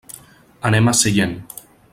Anem a Sellent.